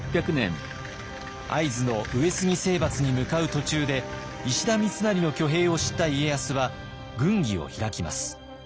会津の上杉征伐に向かう途中で石田三成の挙兵を知った家康は軍議を開きます。